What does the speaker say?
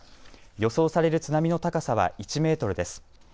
予想される津波の高さは１メートルです。